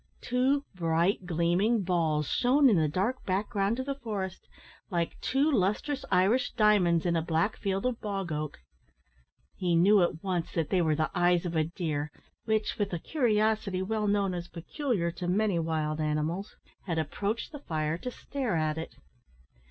Two bright gleaming balls shone in the dark background of the forest, like two lustrous Irish diamonds in a black field of bog oak. He knew at once that they were the eyes of a deer, which, with a curiosity well known as peculiar to many wild animals, had approached the fire to stare at it.